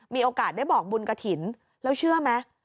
มีโอกาสได้บอกบุญกระถิ่นแล้วเชื่อไหม